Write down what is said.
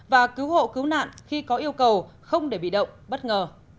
và cứu hộ cứu nạn khi có yêu cầu không để bị động bất ngờ